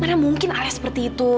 mana mungkin alia seperti itu